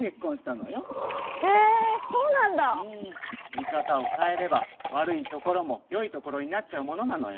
見かたをかえればわるいところもよいところになっちゃうものなのよ。